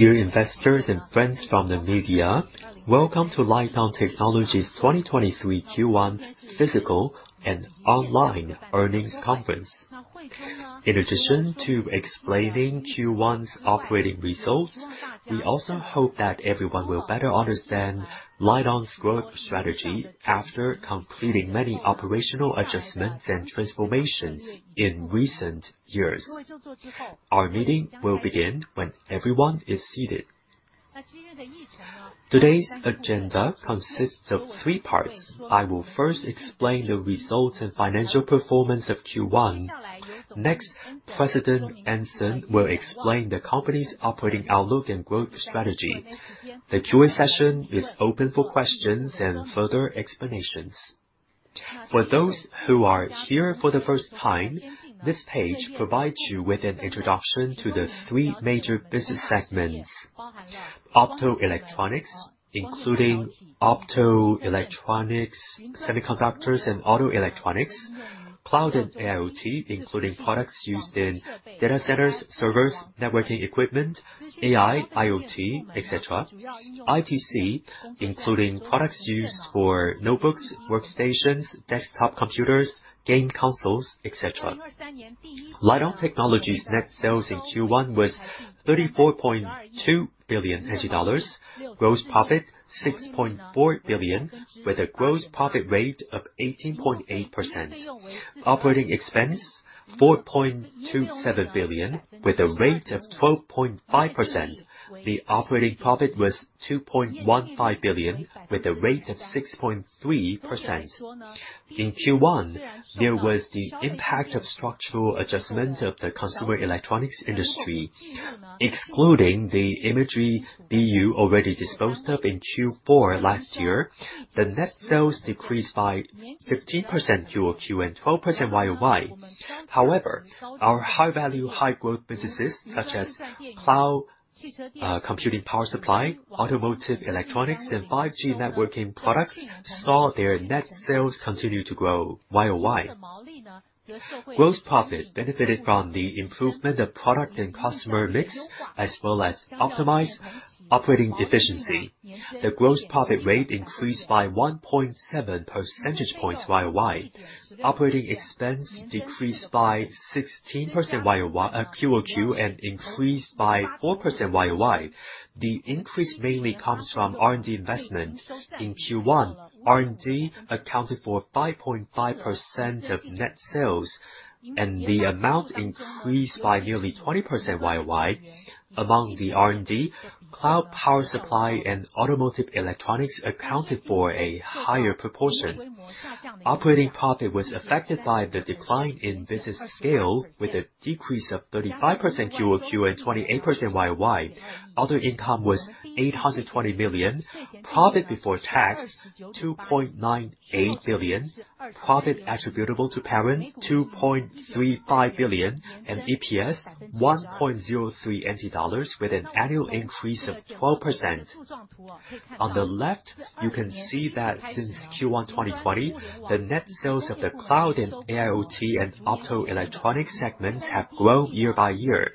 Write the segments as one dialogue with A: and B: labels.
A: Dear investors and friends from the media, welcome to LITE-ON Technology's 2023 Q1 physical and online earnings conference. In addition to explaining Q1's operating results, we also hope that everyone will better understand LITE-ON's growth strategy after completing many operational adjustments and transformations in recent years. Our meeting will begin when everyone is seated. Today's agenda consists of three parts. I will first explain the results and financial performance of Q1. President Anson will explain the company's operating outlook and growth strategy. The Q&A session is open for questions and further explanations. For those who are here for the first time, this page provides you with an introduction to the three major business segments. Optoelectronics, including optoelectronics, semiconductors and auto electronics. Cloud and AIoT, including products used in data centers, servers, networking equipment, AI, IoT, etc. ITC, including products used for notebooks, workstations, desktop computers, game consoles, etc. LITE-ON Technology's net sales in Q1 was 34.2 billion dollars. Gross profit, 6.4 billion, with a gross profit rate of 18.8%. Operating expense, 4.27 billion, with a rate of 12.5%. The operating profit was 2.15 billion, with a rate of 6.3%. In Q1, there was the impact of structural adjustment of the consumer electronics industry. Excluding the Imaging BU already disposed of in Q4 last year, the net sales decreased by 15% QoQ and 12% YoY. Our high-value, high-growth businesses such as cloud computing power supply, automotive electronics, and 5G networking products saw their net sales continue to grow YoY. Gross profit benefited from the improvement of product and customer mix, as well as optimized operating efficiency. The gross profit rate increased by 1.7 percentage points YoY. Operating expense decreased by 16% QoQ and increased by 4% YoY. The increase mainly comes from R&D investment. In Q1, R&D accounted for 5.5% of net sales, and the amount increased by nearly 20% YoY. Among the R&D, cloud power supply and automotive electronics accounted for a higher proportion. Operating profit was affected by the decline in business scale, with a decrease of 35% QoQ and 28% YoY. Other income was NTD 820 million. Profit before tax, NTD 2.98 billion. Profit attributable to parent, NTD 2.35 billion. EPS, NTD 1.03, with an annual increase of 12%. On the left, you can see that since Q1 2020, the net sales of the cloud and AIoT and optoelectronic segments have grown year by year.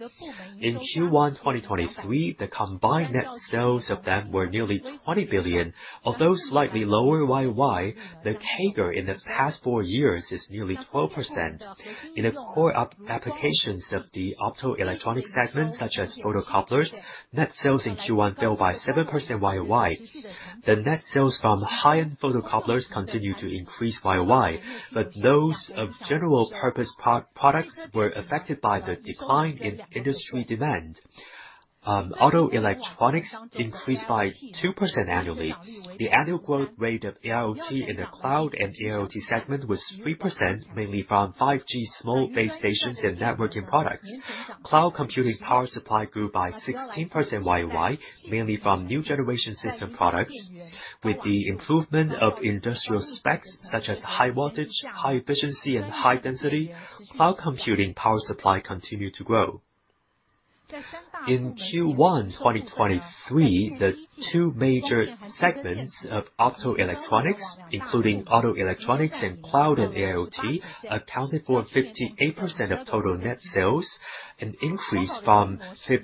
A: In Q1 2023, the combined net sales of them were nearly 20 billion. Although slightly lower YoY, the CAGR in the past four years is nearly 12%. In the core app-applications of the optoelectronic segment, such as photocouplers, net sales in Q1 fell by 7% YoY. The net sales from high-end photocouplers continued to increase YoY, but those of general purpose products were affected by the decline in industry demand. Auto electronics increased by 2% annually. The annual growth rate of AIoT in the cloud and AIoT segment was 3%, mainly from 5G small base stations and networking products. Cloud computing power supply grew by 16% YoY, mainly from new generation system products. With the improvement of industrial specs, such as high voltage, high efficiency, and high density, cloud computing power supply continued to grow. In Q1 2023, the two major segments of optoelectronics, including auto electronics and cloud and AIoT, accounted for 58% of total net sales, an increase from 52%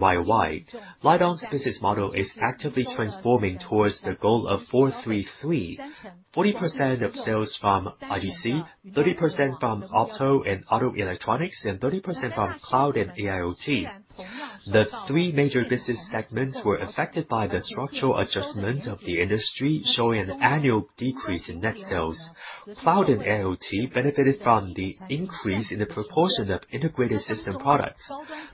A: YoY. LITE-ON's business model is actively transforming towards the goal of 433. 40% of sales from ITC, 30% from opto and auto electronics, and 30% from cloud and AIoT. The three major business segments were affected by the structural adjustment of the industry, showing an annual decrease in net sales. Cloud and AIoT benefited from the increase in the proportion of integrated system products.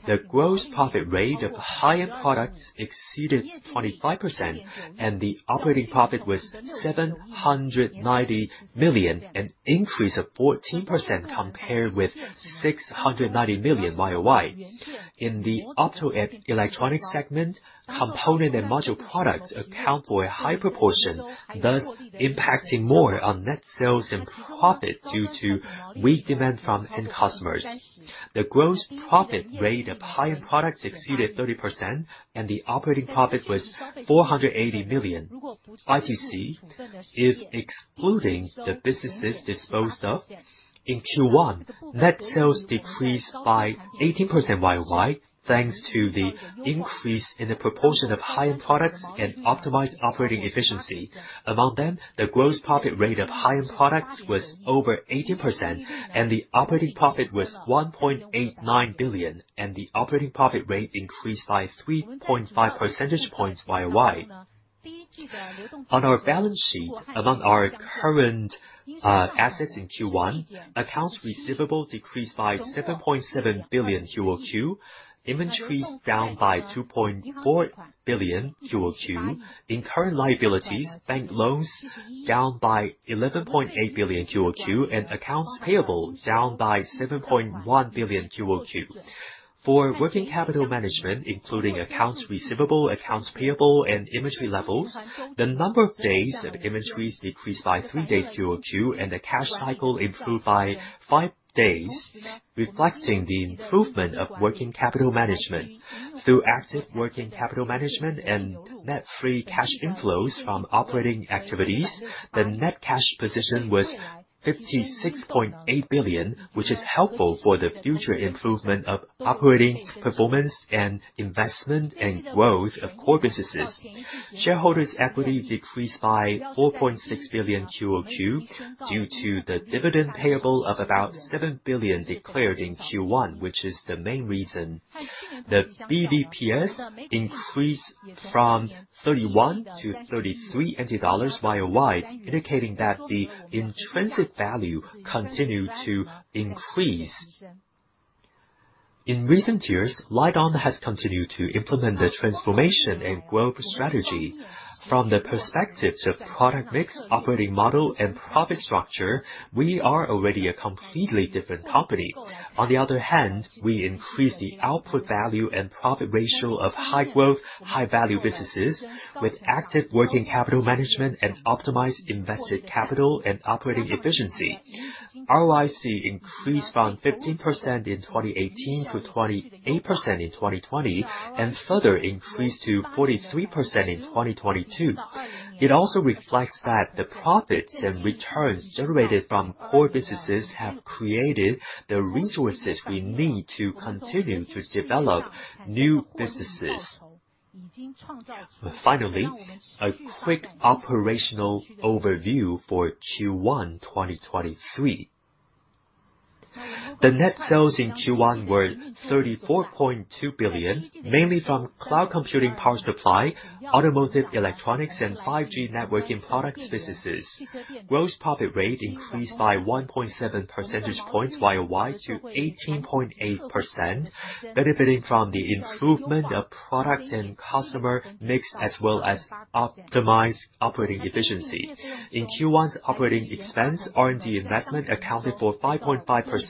A: The gross profit rate of high-end products exceeded 25%, and the operating profit was 790 million, an increase of 14% compared with 690 million YoY. In the optoelectronic segment, component and module products account for a high proportion, thus impacting more on net sales and profit due to weak demand from end customers. The gross profit rate of high-end products exceeded 30% and the operating profit was 480 million. ITC is excluding the businesses disposed of. In Q1, net sales decreased by 18% YoY, thanks to the increase in the proportion of high-end products and optimized operating efficiency. Among them, the gross profit rate of high-end products was over 80% and the operating profit was 1.89 billion, and the operating profit rate increased by 3.5 percentage points YoY. On our balance sheet, among our current assets in Q1, accounts receivable decreased by 7.7 billion QoQ, inventories down by 2.4 billion QoQ. In current liabilities, bank loans down by NTD 11.8 billion QoQ, and accounts payable down by NTD 7.1 billion QoQ. For working capital management, including accounts receivable, accounts payable, and inventory levels, the number of days of inventories decreased by 3 days QoQ and the cash cycle improved by 5 days, reflecting the improvement of working capital management. Through active working capital management and net free cash inflows from operating activities, the net cash position was NTD 56.8 billion which is helpful for the future improvement of operating performance and investment and growth of core businesses. Shareholders' equity decreased by NTD 4.6 billion QoQ due to the dividend payable of about NTD 7 billion declared in Q1 which is the main reason. The BVPS increased from 31 to 33 NTD YoY, indicating that the intrinsic value continued to increase. In recent years, LITE-ON has continued to implement the transformation and growth strategy. From the perspectives of product mix, operating model, and profit structure, we are already a completely different company. We increase the output value and profit ratio of high growth, high value businesses with active working capital management and optimized invested capital and operating efficiency. ROIC increased from 15% in 2018 to 28% in 2020, and further increased to 43% in 2022. It also reflects that the profits and returns generated from core businesses have created the resources we need to continue to develop new businesses. Finally, a quick operational overview for Q1 2023. The net sales in Q1 were 34.2 billion, mainly from cloud computing power supply, automotive electronics and 5G networking products businesses. Gross profit rate increased by 1.7 percentage points YoY to 18.8%, benefiting from the improvement of product and customer mix as well as optimized operating efficiency. In Q1's operating expense, R&D investment accounted for 5.5% of the net sales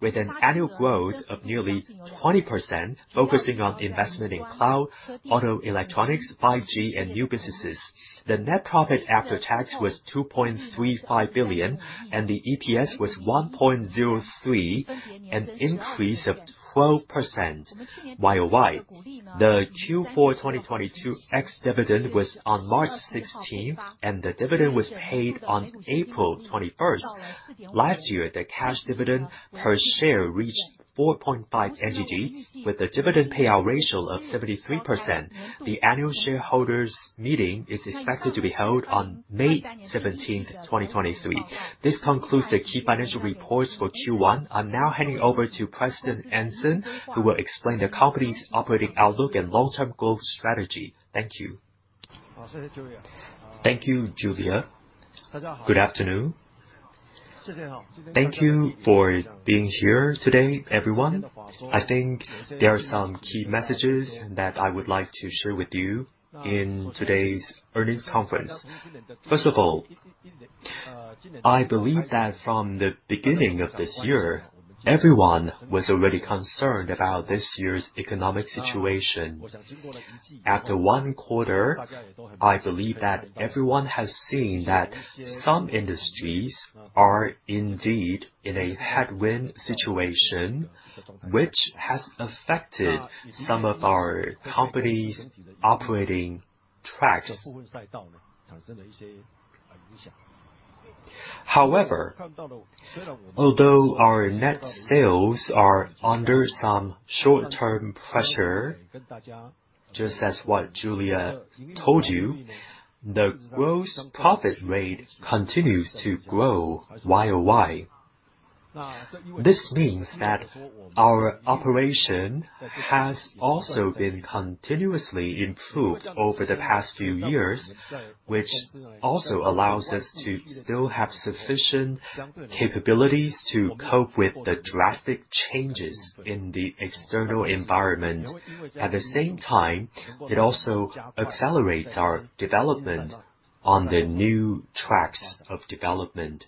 A: with an annual growth of nearly 20% focusing on the investment in cloud, auto electronics, 5G and new businesses. The net profit after tax was 2.35 billion and the EPS was 1.03, an increase of 12% YoY. The Q4, 2022 ex-dividend was on March 16th and the dividend was paid on April 21st. Last year, the cash dividend per share reached NTD 4.5 with a dividend payout ratio of 73%. The annual shareholders meeting is expected to be held on May 17th, 2023. This concludes the key financial reports for Q1. I'm now handing over to President Anson who will explain the company's operating outlook and long-term growth strategy. Thank you.
B: Thank you, Julia. Good afternoon. Thank you for being here today, everyone. I think there are some key messages that I would like to share with you in today's earnings conference. First of all, I believe that from the beginning of this year, everyone was already concerned about this year's economic situation. After one quarter, I believe that everyone has seen that some industries are indeed in a headwind situation which has affected some of our company's operating tracks. However, although our net sales are under some short-term pressure, just as what Julia told you, the gross profit rate continues to grow year-over-year. This means that our operation has also been continuously improved over the past few years, which also allows us to still have sufficient capabilities to cope with the drastic changes in the external environment. It also accelerates our development on the new tracks of development.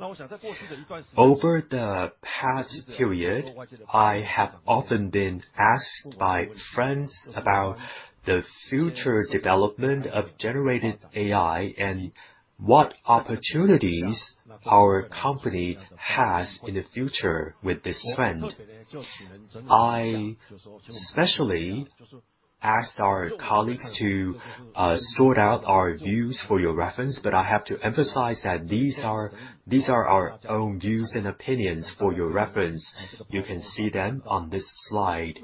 B: Over the past period, I have often been asked by friends about the future development of generative AI and what opportunities our company has in the future with this trend. Asked our colleagues to sort out our views for your reference. I have to emphasize that these are our own views and opinions for your reference. You can see them on this slide.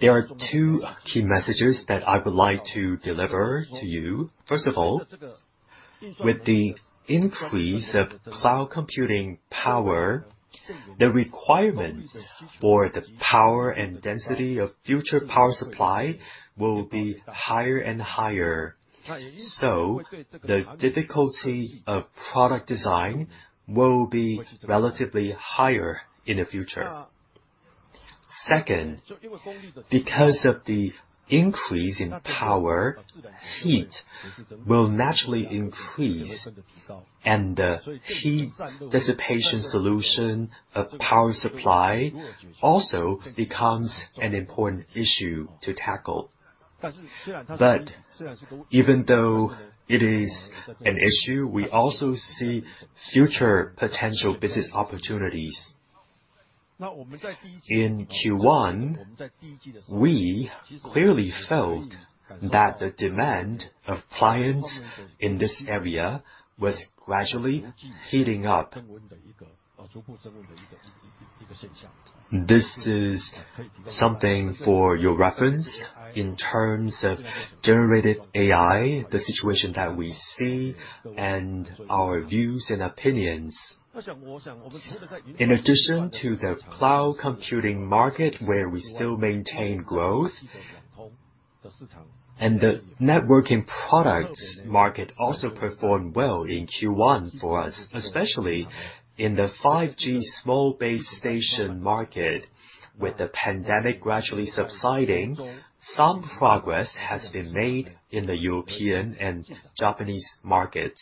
B: There are two key messages that I would like to deliver to you. First of all, with the increase of cloud computing power, the requirement for the power and density of future power supply will be higher and higher. The difficulty of product design will be relatively higher in the future. Second, because of the increase in power, heat will naturally increase, and the heat dissipation solution of power supply also becomes an important issue to tackle. Even though it is an issue, we also see future potential business opportunities. In Q1, we clearly felt that the demand of clients in this area was gradually heating up. This is something for your reference in terms of generative AI, the situation that we see and our views and opinions. In addition to the cloud computing market where we still maintain growth, the networking products market also performed well in Q1 for us, especially in the 5G small base station market. With the pandemic gradually subsiding, some progress has been made in the European and Japanese markets.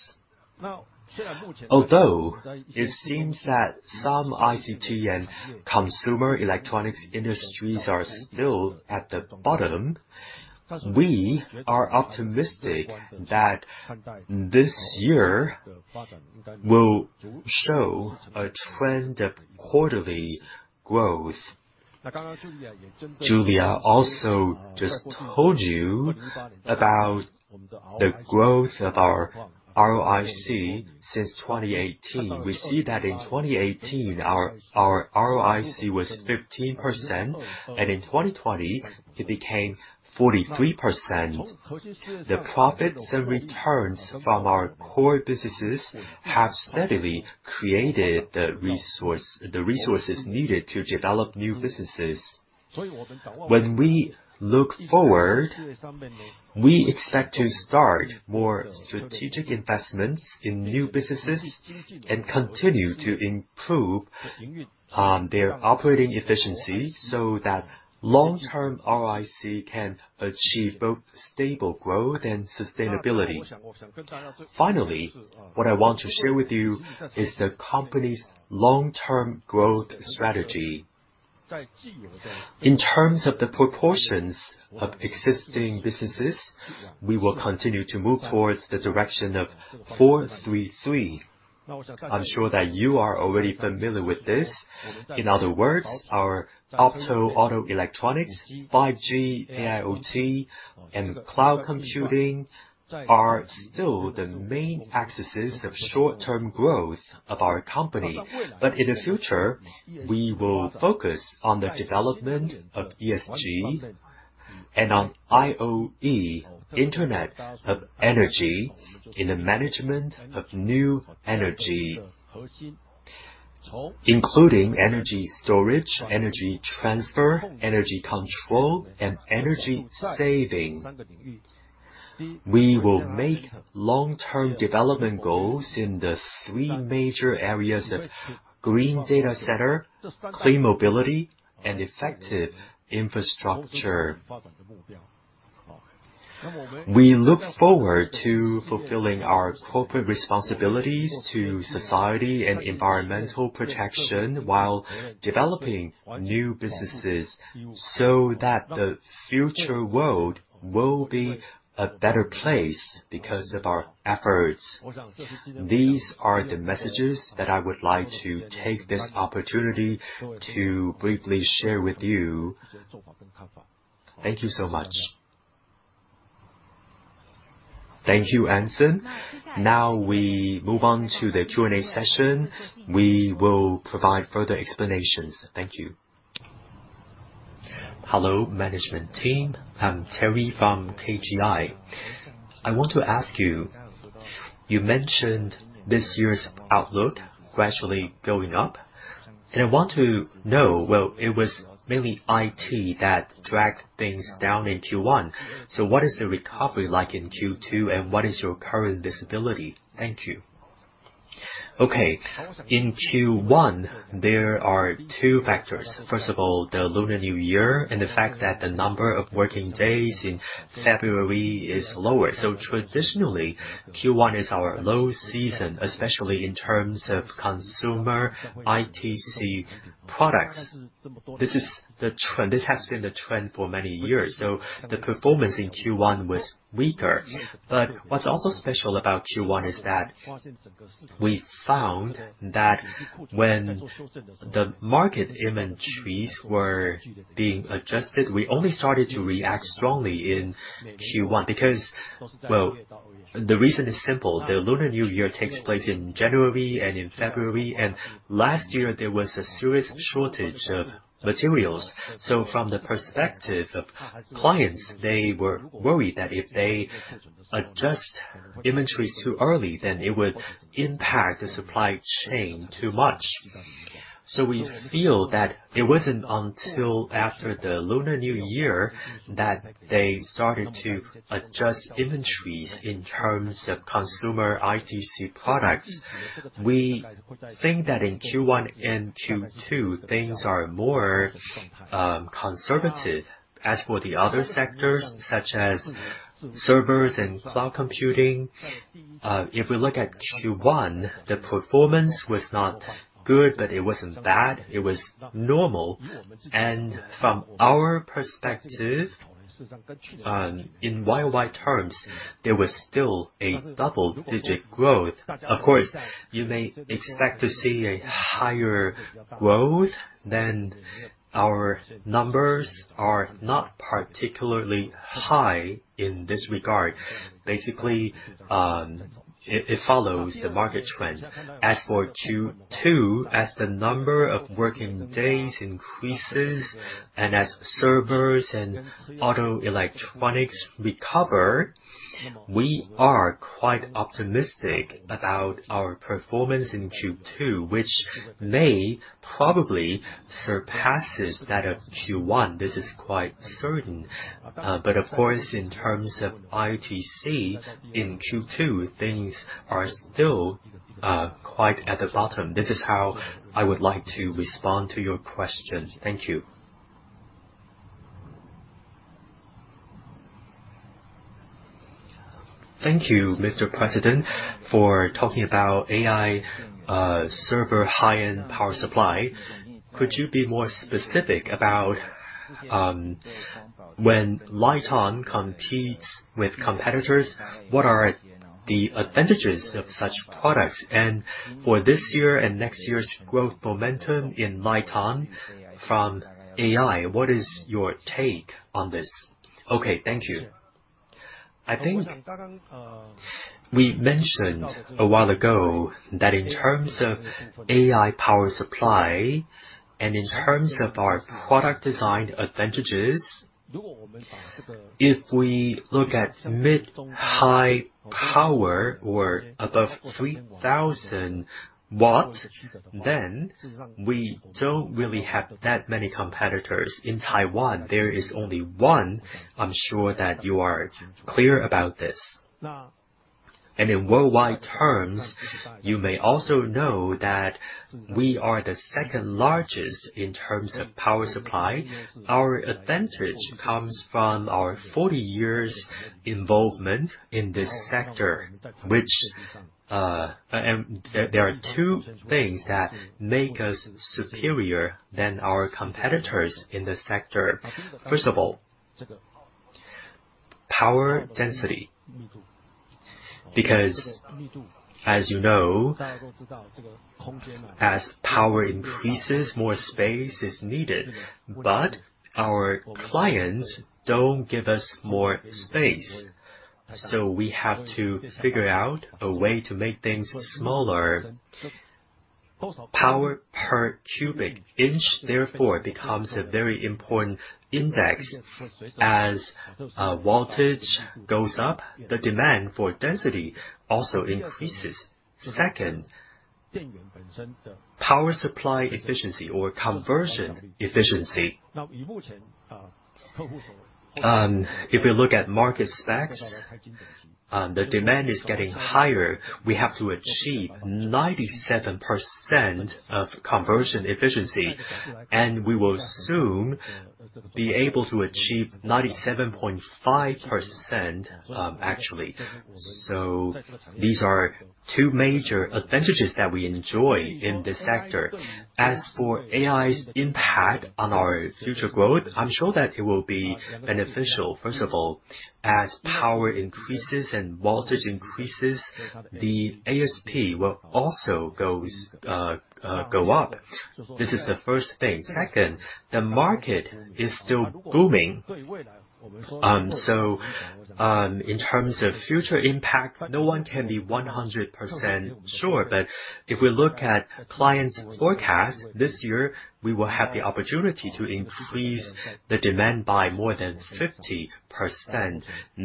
B: Although it seems that some ICT and consumer electronics industries are still at the bottom, we are optimistic that this year will show a trend of quarterly growth. Julia also just told you about the growth of our ROIC since 2018. We see that in 2018 our ROIC was 15%, and in 2020 it became 43%. The profits and returns from our core businesses have steadily created the resources needed to develop new businesses. When we look forward, we expect to start more strategic investments in new businesses and continue to improve their operating efficiency so that long-term ROIC can achieve both stable growth and sustainability. Finally, what I want to share with you is the company's long-term growth strategy. In terms of the proportions of existing businesses, we will continue to move towards the direction of 433. I'm sure that you are already familiar with this. In other words, our optoelectronics, 5G, AIoT, and cloud computing are still the main axes of short-term growth of our company. In the future, we will focus on the development of ESG and on IoE, Internet of Energy, in the management of new energy, including energy storage, energy transfer, energy control, and energy saving. We will make long-term development goals in the three major areas of green data center, clean mobility, and efficient infrastructure. We look forward to fulfilling our corporate responsibilities to society and environmental protection while developing new businesses so that the future world will be a better place because of our efforts. These are the messages that I would like to take this opportunity to briefly share with you. Thank you so much.
A: Thank you, Anson. Now we move on to the Q&A session. We will provide further explanations. Thank you.
C: Hello, management team. I'm Terry from KGI. I want to ask you mentioned this year's outlook gradually going up. I want to know. Well, it was mainly IT that dragged things down in Q1. What is the recovery like in Q2, and what is your current visibility? Thank you.
B: Okay. In Q1, there are two factors. First of all, the Lunar New Year and the fact that the number of working days in February is lower. Traditionally, Q1 is our low season, especially in terms of consumer ITC products. This is the trend. This has been the trend for many years. The performance in Q1 was weaker. What's also special about Q1 is that we found that when the market inventories were being adjusted. We only started to react strongly in Q1 because. Well, the reason is simple. The Lunar New Year takes place in January and in February, and last year there was a serious shortage of materials. From the perspective of clients, they were worried that if they adjust inventories too early, then it would impact the supply chain too much. We feel that it wasn't until after the Lunar New Year that they started to adjust inventories in terms of consumer ITC products. We think that in Q1 and Q2, things are more conservative. For the other sectors, such as servers and cloud computing, if we look at Q1, the performance was not good, but it wasn't bad. It was normal. From our perspective, in YY terms, there was still a double-digit growth. Of course, you may expect to see a higher growth than our numbers are not particularly high in this regard. Basically, it follows the market trend. As for Q2, as the number of working days increases and as servers and auto electronics recover, we are quite optimistic about our performance in Q2, which may probably surpasses that of Q1. This is quite certain. But of course, in terms of ITC in Q2, things are still quite at the bottom. This is how I would like to respond to your question. Thank you. Thank you, Mr. President, for talking about AI server high-end power supply. Could you be more specific about when LITE-ON competes with competitors, what are the advantages of such products? For this year and next year's growth momentum in LITE-ON from AI, what is your take on this? Okay, thank you. I think we mentioned a while ago that in terms of AI power supply and in terms of our product design advantages, if we look at mid-high power or above 3,000 watts, then we don't really have that many competitors. In Taiwan, there is only one. I'm sure that you are clear about this. In worldwide terms, you may also know that we are the second-largest in terms of power supply. Our advantage comes from our 40 years involvement in this sector, which, there are two things that make us superior than our competitors in this sector. First of all, power density, because as you know, as power increases, more space is needed. Our clients don't give us more space. We have to figure out a way to make things smaller. Power per cubic inch, therefore, becomes a very important index. As voltage goes up, the demand for density also increases. Second, power supply efficiency or conversion efficiency. If you look at market specs, the demand is getting higher. We have to achieve 97% of conversion efficiency, and we will soon be able to achieve 97.5% actually. These are two major advantages that we enjoy in this sector. As for AI's impact on our future growth, I'm sure that it will be beneficial. First of all, as power increases and voltage increases, the ASP will also go up. This is the first thing. Second, the market is still booming. In terms of future impact, no one can be 100% sure. If we look at clients' forecast this year, we will have the opportunity to increase the demand by more than 50%.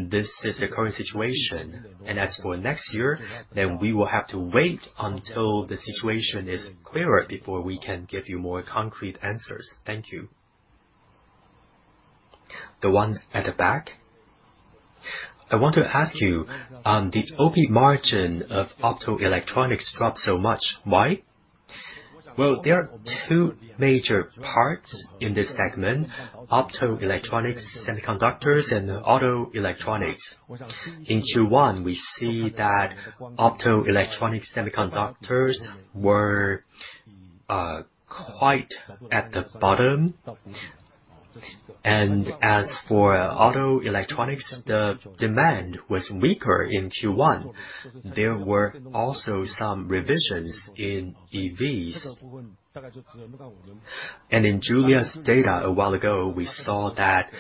B: This is the current situation. As for next year, we will have to wait until the situation is clearer before we can give you more concrete answers. Thank you.
A: The one at the back.
D: I want to ask you, the OP margin of optoelectronics dropped so much. Why?
B: There are two major parts in this segment: optoelectronics, semiconductors, and auto electronics. In Q1, we see that optoelectronic semiconductors were quite at the bottom. As for auto electronics, the demand was weaker in Q1. There were also some revisions in EVs. In Julia's data a while ago, we saw that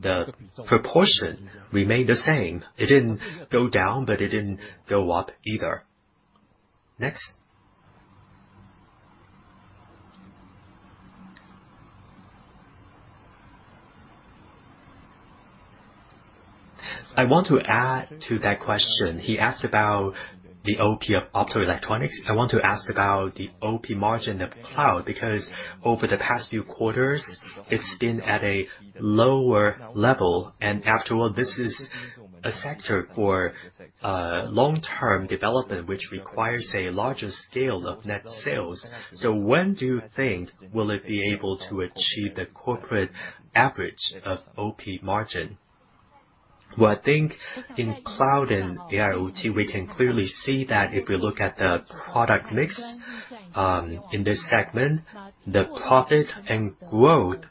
B: the proportion remained the same. It didn't go down, but it didn't go up either.
D: Next. I want to add to that question. He asked about the OP of Optoelectronics. I want to ask about the OP margin of cloud, because over the past few quarters, it's been at a lower level, and after all, this is a sector for long-term development, which requires a larger scale of net sales. When do you think will it be able to achieve the corporate average of OP margin?
A: Well, I think in cloud and AIoT, we can clearly see that if we look at the product mix, in this segment, the profit and growth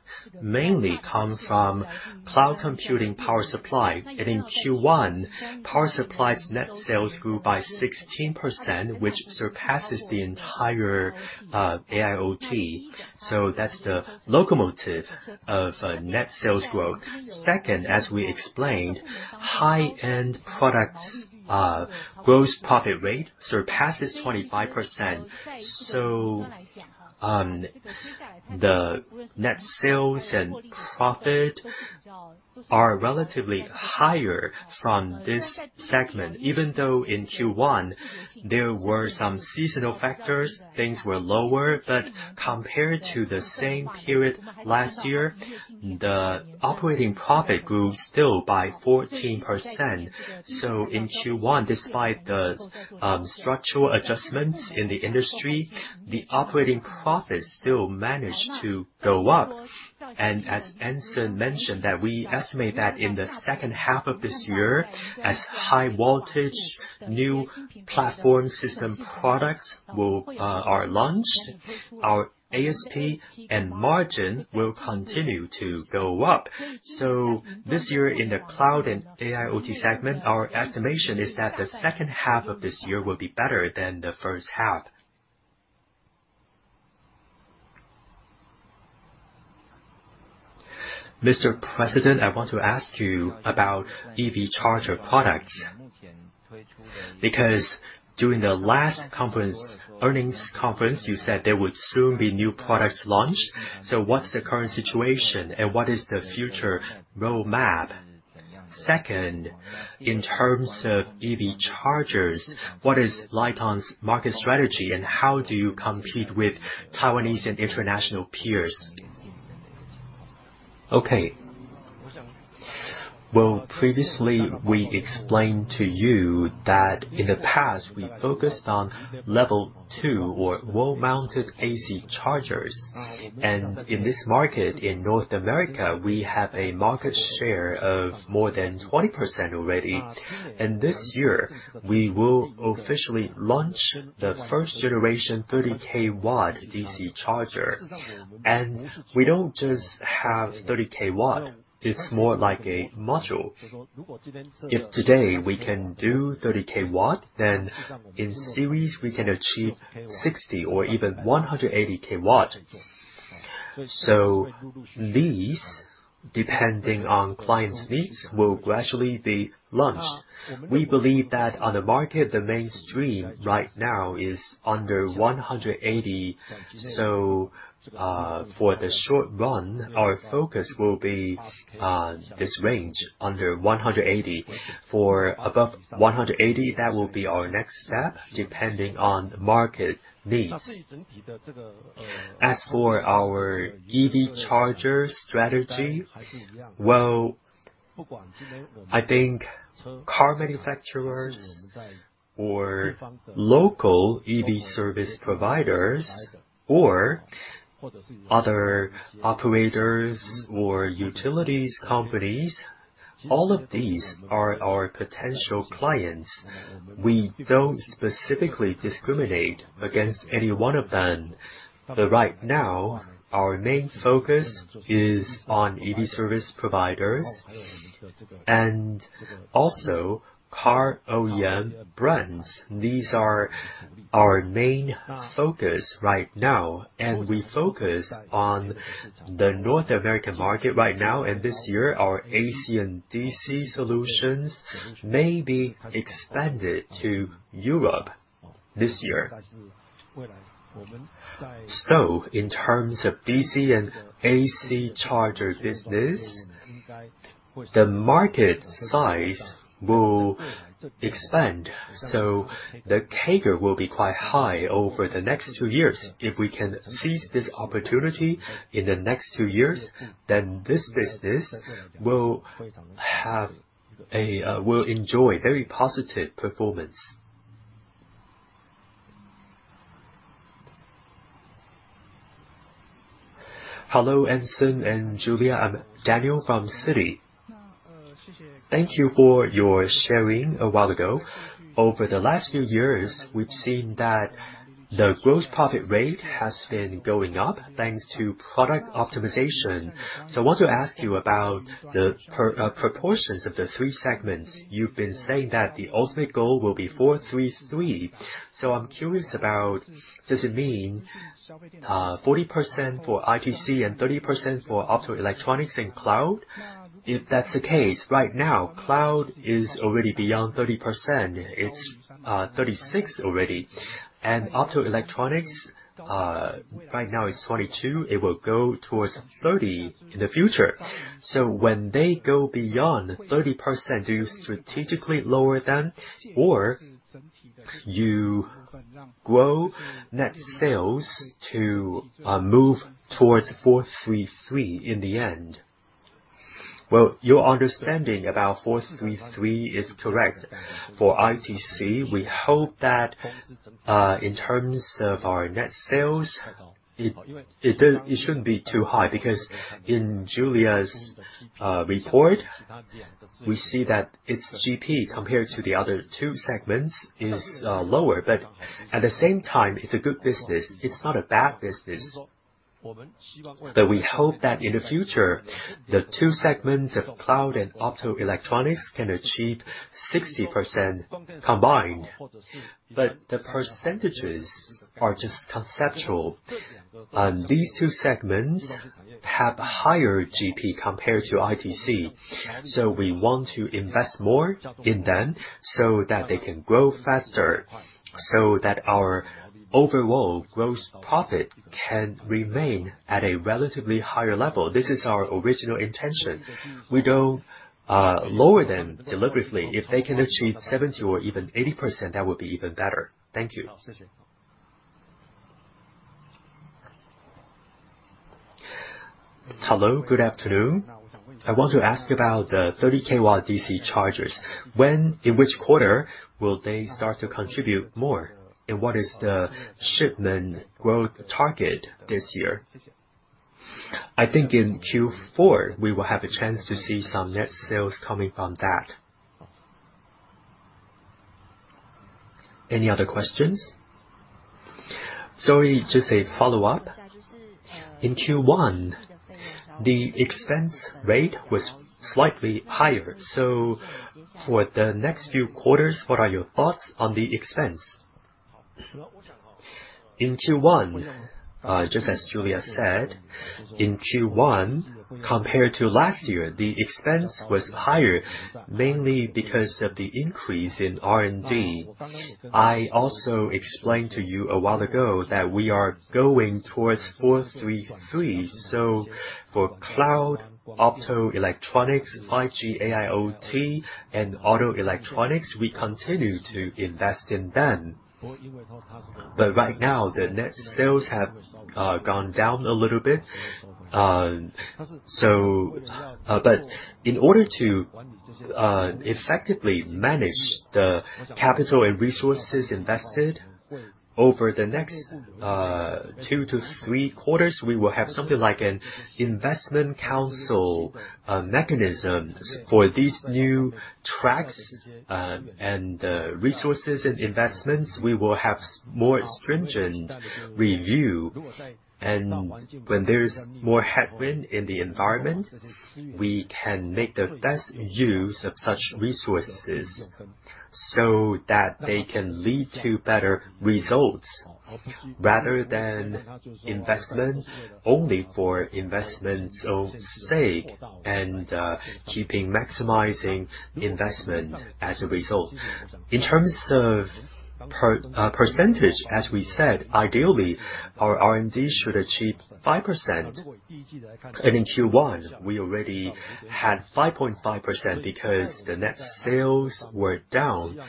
A: mainly come from cloud computing power supply. In Q1, power supply's net sales grew by 16%, which surpasses the entire AIoT. That's the locomotive of a net sales growth. Second, as we explained, high-end product gross profit rate surpasses 25%. The net sales and profit are relatively higher from this segment. Even though in Q1, there were some seasonal factors, things were lower. Compared to the same period last year, the operating profit grew still by 14%. In Q1, despite the structural adjustments in the industry, the operating profit still managed to go up. As Anson mentioned that we estimate that in the second half of this year, as high voltage new platform system products are launched, our ASP and margin will continue to go up. This year in the cloud and AIoT segment, our estimation is that the second half of this year will be better than the first half.
D: Mr. President, I want to ask you about EV Charger products. Because during the last earnings conference, you said there would soon be new products launched. What's the current situation, and what is the future roadmap? Second, in terms of EV Chargers, what is LITE-ON's market strategy, and how do you compete with Taiwanese and international peers?
B: Okay. Well, previously, we explained to you that in the past, we focused on Level 2 or wall-mounted AC Chargers. In this market in North America, we have a market share of more than 20% already. This year, we will officially launch the first generation 30 K watt DC Charger. We don't just have 30 K watt, it's more like a module. If today we can do 30 K watt, then in series we can achieve 60 or even 180 K watt. These, depending on clients' needs, will gradually be launched. We believe that on the market, the mainstream right now is under 180. For the short run, our focus will be this range under 180. For above 180, that will be our next step, depending on the market needs. As for our EV Charger strategy, well, I think car manufacturers or local EV service providers or other operators or utilities companies, all of these are our potential clients. We don't specifically discriminate against any one of them. Right now, our main focus is on EV service providers and also car OEM brands. These are our main focus right now. We focus on the North American market right now. This year, our AC and DC solutions may be expanded to Europe this year. In terms of DC and AC Charger business, the market size will expand. The CAGR will be quite high over the next 2 years. If we can seize this opportunity in the next 2 years, this business will enjoy very positive performance.
E: Hello, Anson and Julia. I'm Daniel from Citi. Thank you for your sharing a while ago. Over the last few years, we've seen that the gross profit rate has been going up, thanks to product optimization. I want to ask you about the proportions of the three segments. You've been saying that the ultimate goal will be 433. I'm curious about, does it mean 40% for ITC and 30% for Optoelectronics and cloud? If that's the case, right now, cloud is already beyond 30%. It's 36% already. Auto electronics, right now it's 22%, it will go towards 30% in the future. When they go beyond 30%, do you strategically lower them or you grow net sales to move towards 433 in the end?
B: Your understanding about 433 is correct. For ITC, we hope that in terms of our net sales, it shouldn't be too high because in Julia's report, we see that its GP, compared to the other two segments, is lower. At the same time, it's a good business. It's not a bad business. We hope that in the future, the two segments of Cloud and Auto Electronics can achieve 60% combined. The percentages are just conceptual, and these two segments have higher GP compared to ITC. We want to invest more in them so that they can grow faster, so that our overall gross profit can remain at a relatively higher level. This is our original intention. We don't lower them deliberately. If they can achieve 70% or even 80%, that would be even better. Thank you.
D: Hello. Good afternoon. I want to ask about the 30 kW DC Chargers. When, in which quarter will they start to contribute more? What is the shipment growth target this year? I think in Q4, we will have a chance to see some net sales coming from that.
B: Any other questions?
D: Sorry, just a follow-up. In Q1, the expense rate was slightly higher. For the next few quarters, what are your thoughts on the expense?
B: In Q1, just as Julia said, in Q1, compared to last year, the expense was higher, mainly because of the increase in R&D. I also explained to you a while ago that we are going towards 433. For cloud, auto electronics, 5G AIoT, and auto electronics, we continue to invest in them. Right now, the net sales have gone down a little bit. In order to effectively manage the capital and resources invested over the next 2 to 3 quarters, we will have something like an investment council mechanism for these new tracks. The resources and investments, we will have more stringent review. When there's more headwind in the environment, we can make the best use of such resources so that they can lead to better results rather than investment only for investment's own sake and keeping maximizing investment as a result. In terms of percentage, as we said, ideally, our R&D should achieve 5%. In Q1, we already had 5.5% because the net sales were down.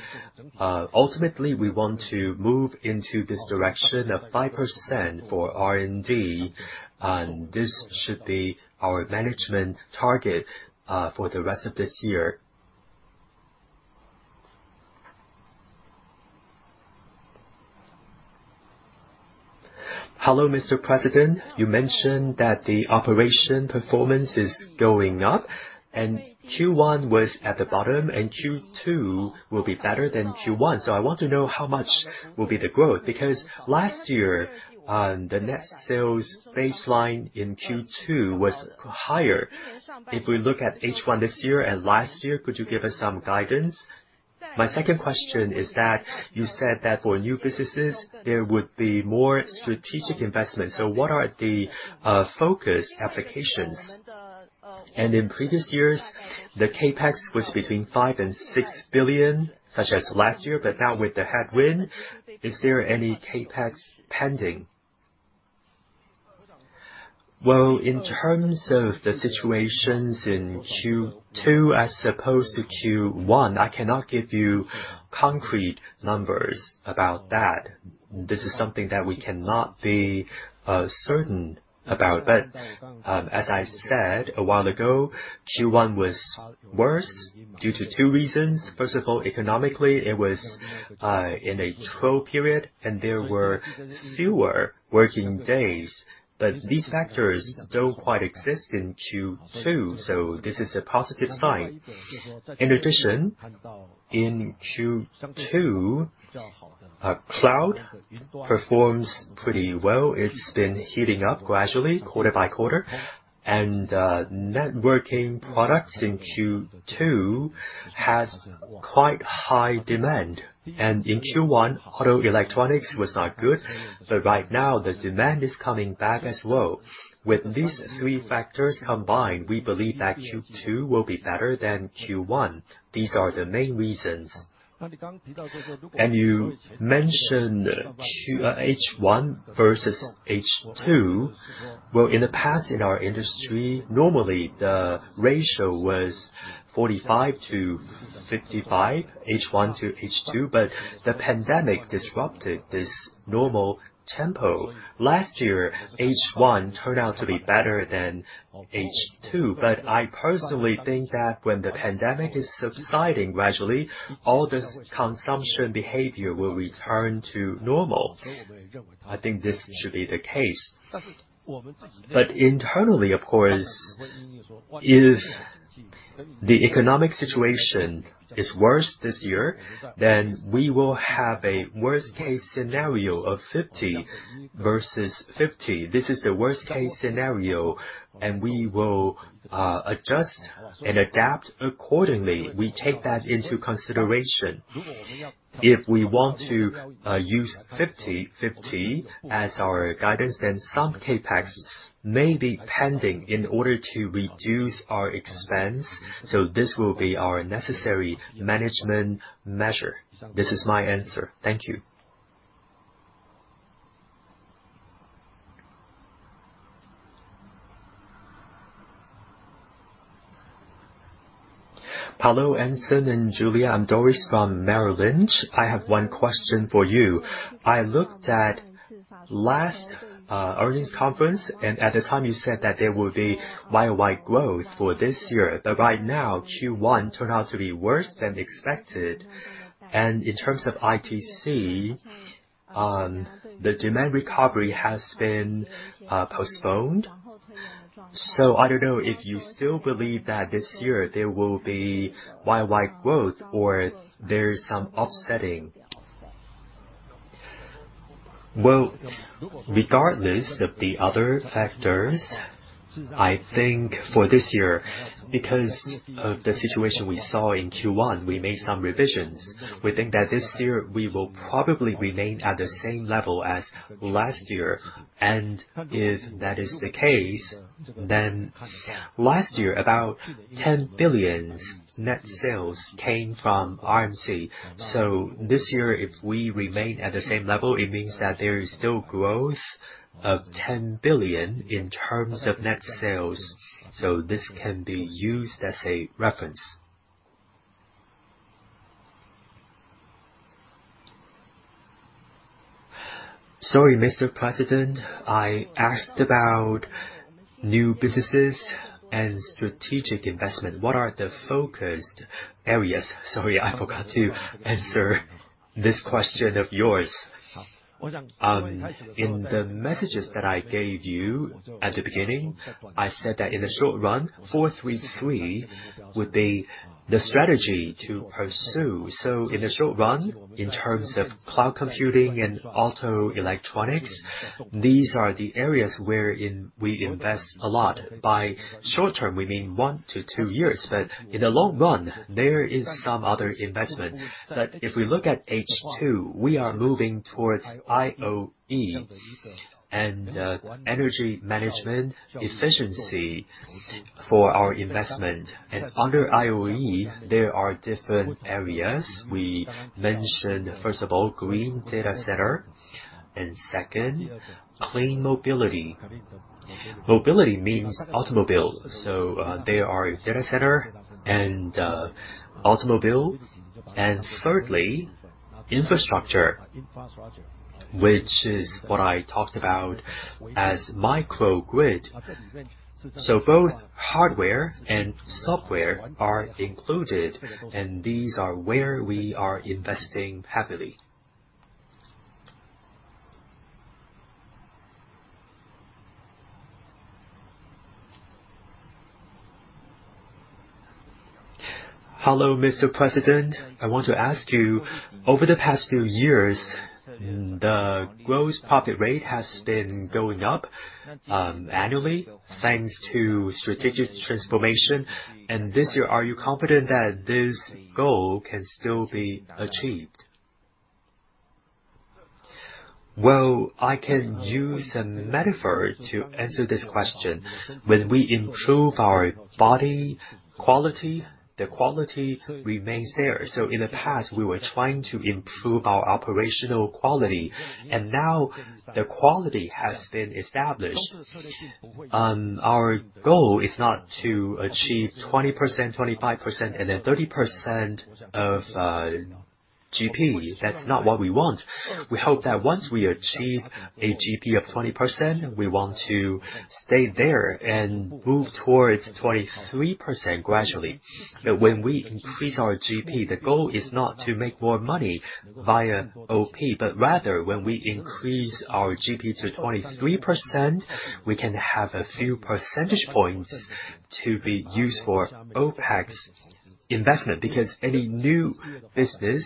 B: Ultimately, we want to move into this direction of 5% for R&D. This should be our management target for the rest of this year.
D: Hello, Mr. President. You mentioned that the operation performance is going up. Q1 was at the bottom, and Q2 will be better than Q1. I want to know how much will be the growth, because last year, the net sales baseline in Q2 was higher. If we look at H1 this year and last year, could you give us some guidance? My second question is that you said that for new businesses, there would be more strategic investments. What are the focus applications? In previous years, the CapEx was between 5 billion-6 billion, such as last year, but now with the headwind, is there any CapEx pending?
B: In terms of the situations in Q2 as opposed to Q1, I cannot give you concrete numbers about that. This is something that we cannot be certain about. As I said a while ago, Q1 was worse due to 2 reasons. First of all, economically, it was in a trough period, and there were fewer working days. These factors don't quite exist in Q2, so this is a positive sign. In addition, in Q2, cloud performs pretty well. It's been heating up gradually quarter by quarter, and networking products in Q2 has quite high demand. In Q1, auto electronics was not good, but right now the demand is coming back as well. With these 3 factors combined, we believe that Q2 will be better than Q1. These are the main reasons. You mentioned H1 versus H2. Well, in the past, in our industry, normally the ratio was 45-55, H1 to H2. The pandemic disrupted this normal tempo. Last year, H1 turned out to be better than H2. I personally think that when the pandemic is subsiding gradually, all this consumption behavior will return to normal. I think this should be the case. Internally, of course, if the economic situation is worse this year, then we will have a worst case scenario of 50 versus 50. This is the worst case scenario, we will adjust and adapt accordingly. We take that into consideration. If we want to use 50/50 as our guidance, then some CapEx may be pending in order to reduce our expense, so this will be our necessary management measure. This is my answer. Thank you.
F: Hello, Anson and Julia. I'm Doris from Bank of America Merrill Lynch. I have one question for you. I looked at last earnings conference, and at the time, you said that there will be YoY growth for this year. Right now, Q1 turned out to be worse than expected. In terms of ITC, the demand recovery has been postponed. I don't know if you still believe that this year there will be YoY growth or there is some offsetting.
B: Well, regardless of the other factors, I think for this year, because of the situation we saw in Q1, we made some revisions. We think that this year we will probably remain at the same level as last year. If that is the case, then last year about 10 billion net sales came from RMC. This year, if we remain at the same level, it means that there is still growth of 10 billion in terms of net sales.
F: Sorry, Mr. President, I asked about new businesses and strategic investment. What are the focused areas?
B: Sorry, I forgot to answer this question of yours. In the messages that I gave you at the beginning, I said that in the short run, 433 would be the strategy to pursue. In the short run, in terms of cloud computing and auto electronics, these are the areas wherein we invest a lot. By short-term, we mean 1-2 years. In the long run, there is some other investment. If we look at H2, we are moving towards IoE and energy management efficiency for our investment. Under IoE, there are different areas. We mentioned, first of all, green data center, and second, clean mobility. Mobility means automobile. There are data center and automobile, and thirdly, infrastructure, which is what I talked about as microgrid. Both hardware and software are included, and these are where we are investing heavily.
D: Hello, Mr. President. I want to ask you, over the past few years, the gross profit rate has been going up annually, thanks to strategic transformation. This year, are you confident that this goal can still be achieved?
B: Well, I can use a metaphor to answer this question. When we improve our body quality, the quality remains there. In the past, we were trying to improve our operational quality, and now the quality has been established. Our goal is not to achieve 20%, 25%, and then 30% of GP. That's not what we want. We hope that once we achieve a GP of 20%, we want to stay there and move towards 23% gradually. When we increase our GP, the goal is not to make more money via OP, but rather, when we increase our GP to 23%, we can have a few percentage points to be used for OpEx investment. Because any new business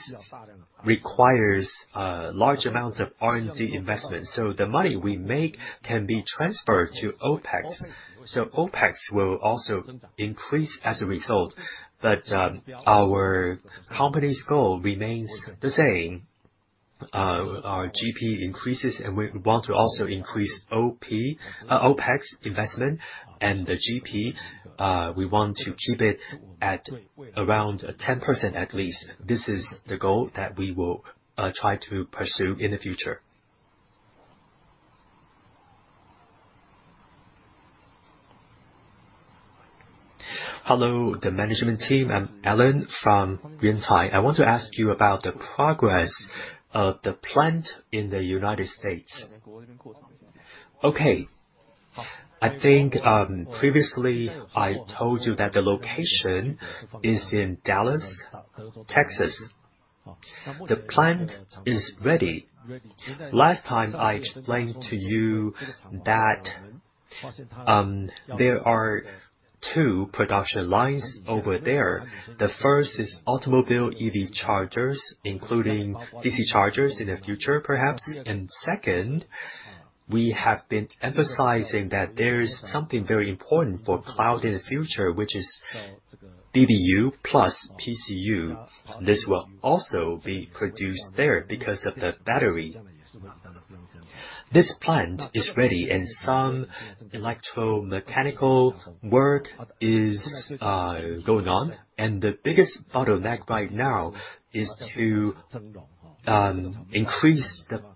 B: requires large amounts of R&D investment. The money we make can be transferred to OpEx. OpEx will also increase as a result. Our company's goal remains the same. Our GP increases and we want to also increase OPEX investment and the GP, we want to keep it at around 10% at least. This is the goal that we will try to pursue in the future.
G: Hello, the management team. I'm Alan from Yuanta. I want to ask you about the progress of the plant in the United States.
B: I think previously I told you that the location is in Dallas, Texas. The plant is ready. Last time I explained to you that there are two production lines over there. The first is automobile EV chargers, including DC chargers in the future perhaps. Second, we have been emphasizing that there is something very important for cloud in the future, which is DBU plus PCU. This will also be produced there because of the battery. This plant is ready and some electromechanical work is going on. The biggest bottleneck right now is to increase the capacity.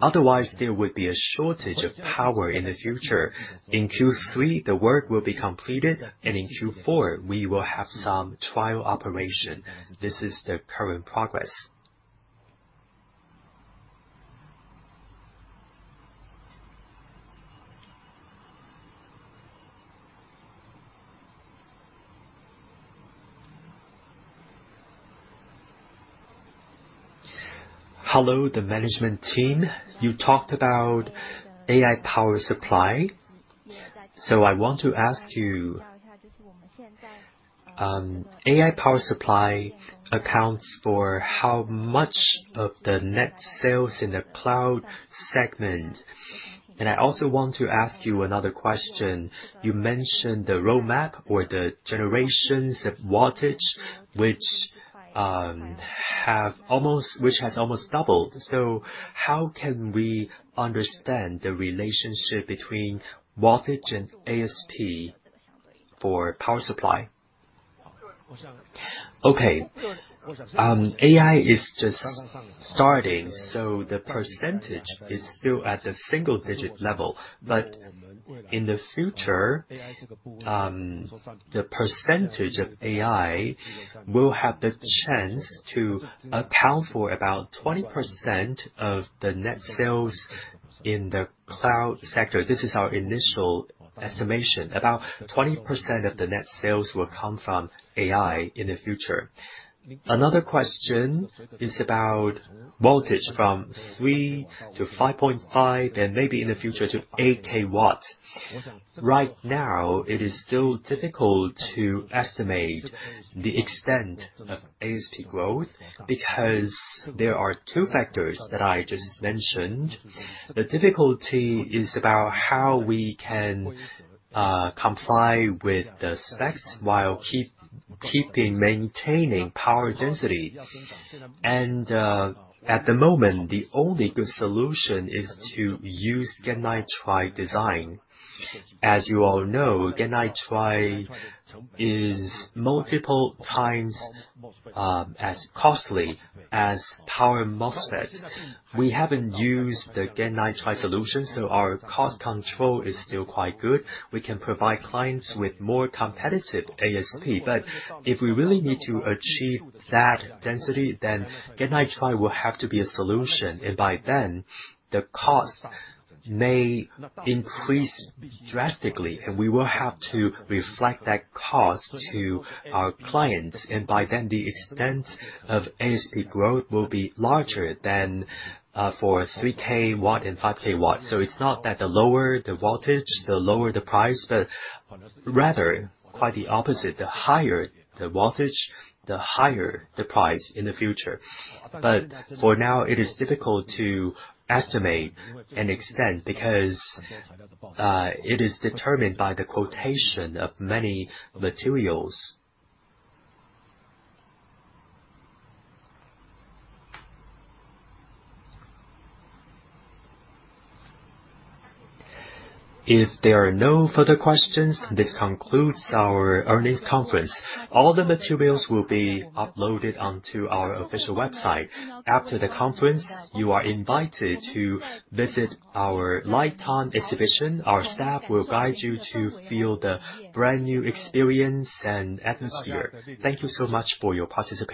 B: Otherwise, there would be a shortage of power in the future. In Q3, the work will be completed, and in Q4, we will have some trial operation. This is the current progress. Hello, the management team. You talked about AI power supply, so I want to ask you, AI power supply accounts for how much of the net sales in the Cloud segment?
G: I also want to ask you another question. You mentioned the roadmap or the generations of wattage, which has almost doubled. How can we understand the relationship between wattage and ASP for power supply?
B: Okay. AI is just starting, so the percentage is still at the single digit level. In the future, the percentage of AI will have the chance to account for about 20% of the net sales in the Cloud sector. This is our initial estimation. About 20% of the net sales will come from AI in the future. Another question is about voltage from 3 to 5.5, and maybe in the future to 8 kW. Right now, it is still difficult to estimate the extent of ASP growth because there are 2 factors that I just mentioned. The difficulty is about how we can comply with the specs while keeping maintaining power density. At the moment, the only good solution is to use gallium nitride design. As you all know, gallium nitride is multiple times as costly as power MOSFET. We haven't used the gallium nitride solution, our cost control is still quite good. We can provide clients with more competitive ASP, if we really need to achieve that density, then gallium nitride will have to be a solution. By then, the cost may increase drastically, and we will have to reflect that cost to our clients. By then, the extent of ASP growth will be larger than for 3 kW and 5 kW. It's not that the lower the voltage, the lower the price, but rather quite the opposite. The higher the voltage, the higher the price in the future. For now, it is difficult to estimate an extent because it is determined by the quotation of many materials. If there are no further questions, this concludes our earnings conference. All the materials will be uploaded onto our official website. After the conference, you are invited to visit our LITE-ON exhibition. Our staff will guide you to feel the brand new experience and atmosphere. Thank you so much for your participation.